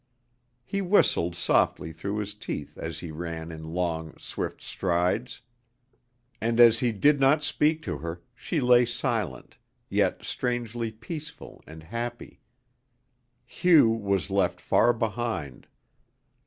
He whistled softly through his teeth as he ran in long, swift strides. And as he did not speak to her, she lay silent, yet strangely peaceful and happy. Hugh was left far behind.